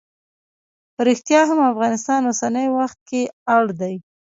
په ریښتیا هم افغانستان اوسنی وخت کې اړ دی.